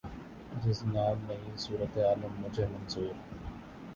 جز نام نہیں صورت عالم مجھے منظور